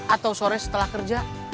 atau sore setelah kerja